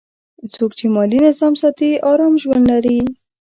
څوک چې مالي نظم ساتي، آرام ژوند لري.